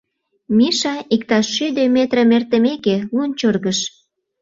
Миша, иктаж шӱдӧ метрым эртымеке, лунчыргыш.